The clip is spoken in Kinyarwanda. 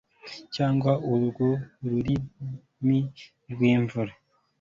cyangwa urwo rurimi rwimvura